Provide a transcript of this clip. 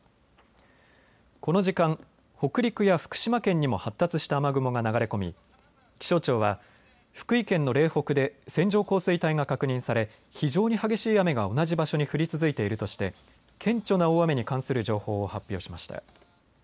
この時間、北陸や福島県にも発達した雨雲が流れ込み、気象庁は福井県の嶺北で線状降水帯が確認され非常に激しい雨が同じ場所に降り続いているとして顕著な大雨に関する情報を発表しました。